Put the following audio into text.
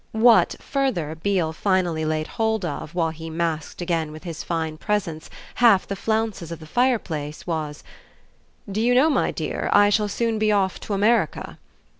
What, further, Beale finally laid hold of while he masked again with his fine presence half the flounces of the fireplace was: "Do you know, my dear, I shall soon be off to America?"